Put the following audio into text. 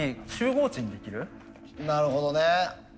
なるほどね。